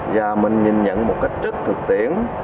và mình nhìn nhận một cách trích thực tiễn